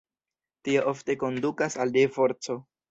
Tio ofte kondukas al divorco.